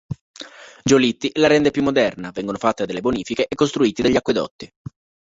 Giolitti la rende più moderna, vengono fatte delle bonifiche e costruiti degli acquedotti.